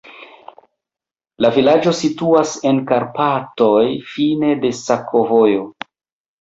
La vilaĝo situas en Karpatoj, fine de sakovojo.